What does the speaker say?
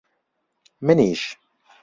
منیش!